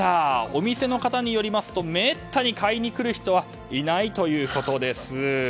お店の方によりますとめったに買いに来る人はいないということです。